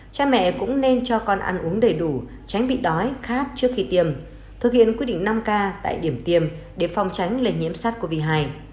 cha mẹ cũng nên cho con ăn uống đầy đủ tránh bị đói khát trước khi tiêm thực hiện quyết định năm k tại điểm tiêm để phòng tránh lệnh nhiễm sát covid hai